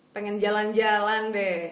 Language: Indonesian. pengen jalan jalan deh